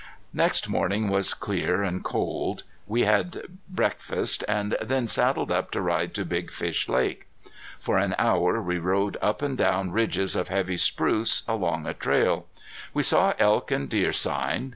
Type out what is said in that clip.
Next morning was clear and cold. We had breakfast, and then saddled up to ride to Big Fish Lake. For an hour we rode up and down ridges of heavy spruce, along a trail. We saw elk and deer sign.